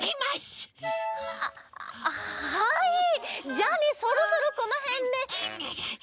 じゃあねそろそろこのへんで。